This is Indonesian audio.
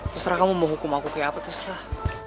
terserah kamu mau hukum aku kayak apa terserah